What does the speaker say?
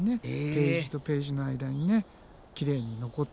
ページとページの間にきれいに残って。